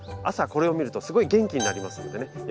朝これを見るとすごい元気になりますんでね。